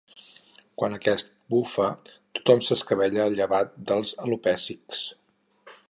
Quan aquest bufa tothom s'escabella llevat dels alopècics.